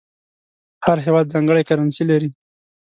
هر هېواد ځانګړې کرنسي لري.